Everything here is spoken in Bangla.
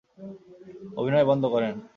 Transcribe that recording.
অভিনয় বন্ধ করেন।